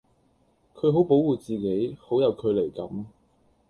佢好保護自己，好有距離感